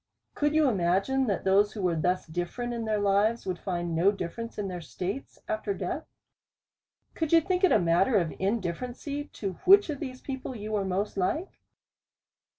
Could you imagine, that those who were thus different in their lives, would find no difference in their states after death? Could you think it a matter of indifference to which of these people you were most like